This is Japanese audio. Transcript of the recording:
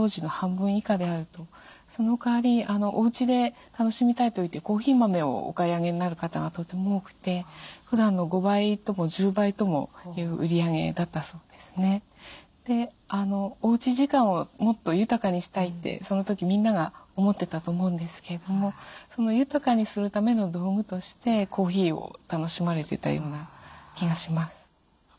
そのかわりおうちで楽しみたいといってコーヒー豆をお買い上げになる方がとても多くてふだんの５倍とも１０倍ともいう売り上げだったそうですね。でおうち時間をもっと豊かにしたいってその時みんなが思ってたと思うんですけれどもその豊かにするための道具としてコーヒーを楽しまれてたような気がします。